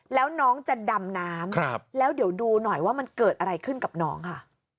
แล้วน้องจะดำน้ำแล้วเดี๋ยวดูหน่อยว่ามันเกิดอะไรขึ้นกับน้องค่ะ